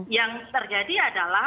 yang terjadi adalah